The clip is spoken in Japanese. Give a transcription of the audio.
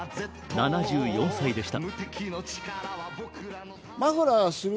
７４歳でした。